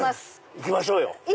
行きましょうよ！